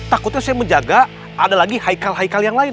takutnya saya menjaga ada lagi haikal haikal yang lain